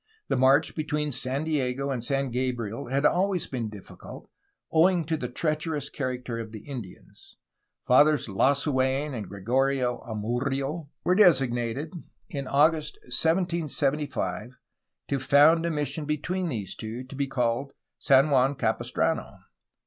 The march between San Diego and San Gabriel had always been difficult, owing to the treacherous character of the Indians. Fathers Lasu^n and Gregorio Amurrio were designated, in August 1775, to found a mission between these two, to be called San Juan Capistrano.